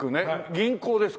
銀行ですか？